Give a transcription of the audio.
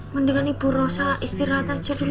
mendingan ibu rosa istirahat aja dulu